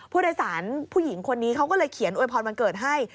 ผู้โดยสารผู้หญิงคนนี้เขาก็เลยเขียนอวยพรวันเกิดให้